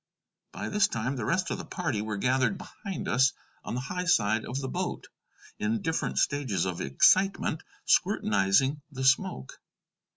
By this time the rest of the party were gathered behind us on the high side of the boat, in different stages of excitement, scrutinizing the smoke.